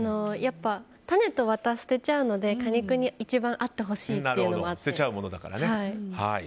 種とワタを捨てちゃうので果肉に一番あってほしいというのがあって。